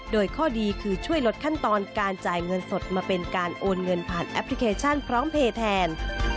โดยข้อดีคือช่วยลดขั้นตอนการจ่ายเงินสดมาเป็นการโอนเงินผ่านแอปพลิเคชันพร้อมเพลย์แทน